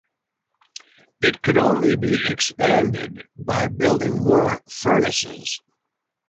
It could only be expanded by building more furnaces.